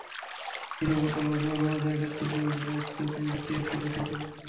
তিনি বললেন, উভয়ের মাঝে একাত্তর কিংবা বাহাত্তর কিংবা তিহাত্তর বছরের দূরত্ব।